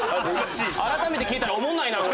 改めて聞いたらおもんないな俺。